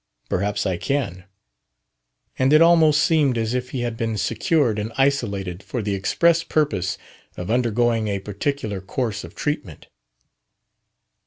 "Perhaps I can." And it almost seemed as if he had been secured and isolated for the express purpose of undergoing a particular course of treatment.